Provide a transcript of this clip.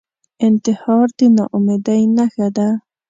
انتحار د ناامیدۍ نښه ده